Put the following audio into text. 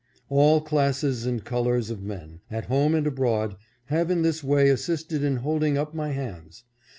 All classes and colors of men, at home and abroad, have in this way assisted in holding up my hands.